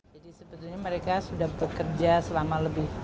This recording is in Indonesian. jadi sebetulnya mereka sudah bekerja selama lebih